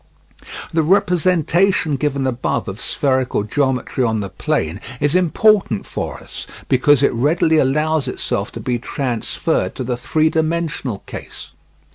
The representation given above of spherical geometry on the plane is important for us, because it readily allows itself to be transferred to the three dimensional case.